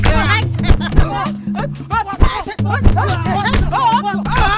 elah lah abis itu